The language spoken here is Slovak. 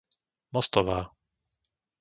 Mostová